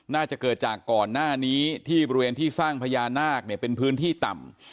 น่าจะเกิดจากก่อนหน้านี้ที่บริเวณที่สร้างพญานาคเนี่ยเป็นพื้นที่ต่ำ